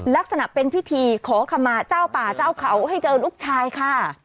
ลักษณะเป็นพิธีขอขมาเจ้าป่าเจ้าเขาให้เจอลูกชายค่ะ